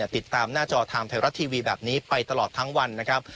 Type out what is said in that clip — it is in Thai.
ติดตามหน้าจอทางไทยรัฐทีวีแบบนี้ไปตลอดทั้งวันนะครับ